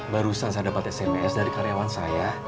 barusan saya dapat sms dari karyawan saya